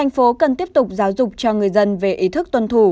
tp hcm cần tiếp tục giáo dục cho người dân về ý thức tuân thủ